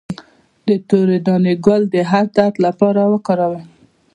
د تورې دانې ګل د هر درد لپاره وکاروئ